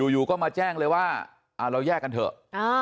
อยู่ก็มาแจ้งเลยว่าเราแยกกันเถอะ